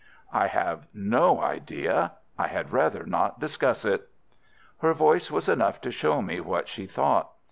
"I have no idea. I had rather not discuss it." Her voice was enough to show me what she thought.